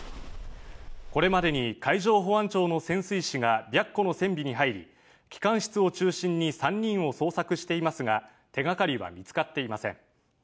これまでに海上保安庁の潜水士が白虎の船尾に入り、機関室を中心に３人を捜索していますが、手がかりは見つかっていません。